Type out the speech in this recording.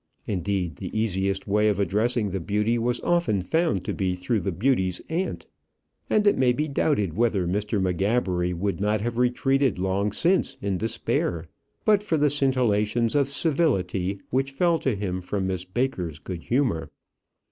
Indeed, the easiest way of addressing the beauty was often found to be through the beauty's aunt; and it may be doubted whether Mr. M'Gabbery would not have retreated long since in despair, but for the scintillations of civility which fell to him from Miss Baker's good humour.